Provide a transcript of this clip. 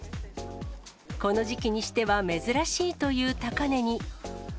この時期にしては珍しいという高値に。